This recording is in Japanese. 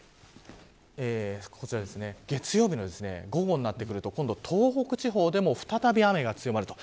月曜日の午後になってくると東北地方でも再び雨が強まります。